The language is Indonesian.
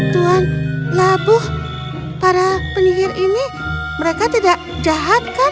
tuan labu para penyihir ini mereka tidak jahat kan